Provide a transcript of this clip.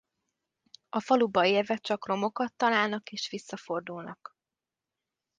A faluba érve csak romokat találnak és visszafordulnak.